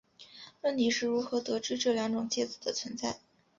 问题是如何得知这两种介子的存在。